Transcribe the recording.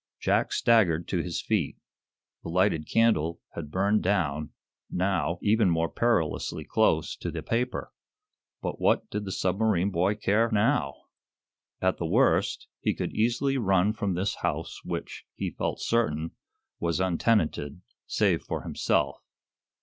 Jack staggered to his feet. The lighted candle had burned down, now, even more perilously close to the paper but what did the submarine boy care now? At the worst, he could easily run from this house which, he felt certain, was untenanted save for himself.